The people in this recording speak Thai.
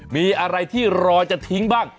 มีอะไรที่เตรียมแล้วรอจะทิ้งบ้าง